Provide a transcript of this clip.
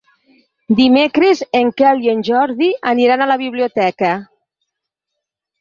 Dimecres en Quel i en Jordi aniran a la biblioteca.